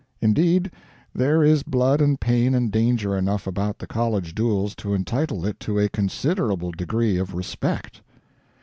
Indeed, there is blood and pain and danger enough about the college duel to entitle it to a considerable degree of respect.